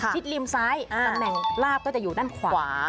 ริมซ้ายตำแหน่งลาบก็จะอยู่ด้านขวา